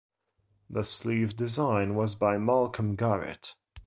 The sleeve design was by Malcolm Garrett.